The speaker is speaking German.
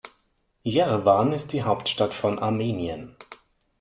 Jerewan ist die Hauptstadt von Armenien.